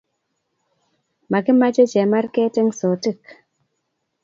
Makimache chemarket en Sotik